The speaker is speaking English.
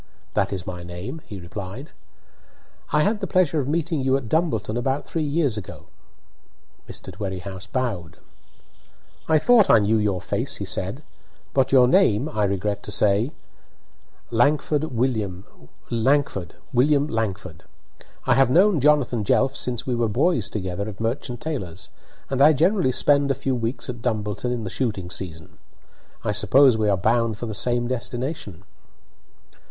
"That is my name," he replied. "I had the pleasure of meeting you at Dumbleton about three years ago." Mr. Dwerrihouse bowed. "I thought I knew your face," he said; "but your name, I regret to say " "Langford William Langford. I have known Jonathan Jelf since we were boys together at Merchant Taylor's, and I generally spend a few weeks at Dumbleton in the shooting season. I suppose we are bound for the same destination?"